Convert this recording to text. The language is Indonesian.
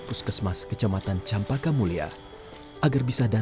jangan berteramak malah saya itu ya